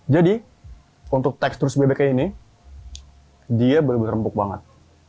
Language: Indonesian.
jadi untuk tekstur sebagiannya ini dia benar benar empuk banget